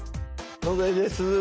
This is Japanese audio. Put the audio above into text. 野添です。